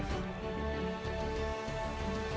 serta menjaga suasana kondusif